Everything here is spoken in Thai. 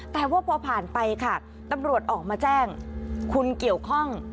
แต่ว่าพอผ่านไปค่ะตำรวจออกมาแจ้งคุณเกี่ยวข้อง